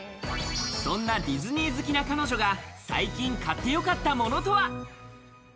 そんなディズニー好きな彼女が最近買ってよかったものとは？